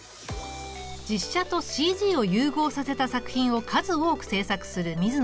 実写とＣＧを融合させた作品を数多く制作するＭＩＺＵＮＯさん。